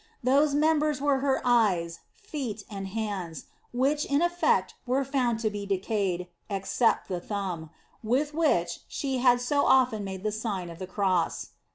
Those members were her eyes, feet and hands, which, in effect, were found to be decayed, except the thumb, with which she had so often made the Sign of the Cross.